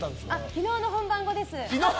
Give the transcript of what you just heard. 昨日の本番後です。